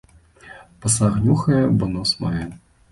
Пасаг нюхае, бо нос мае.